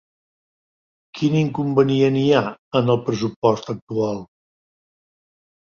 Quin inconvenient hi ha en el pressupost actual?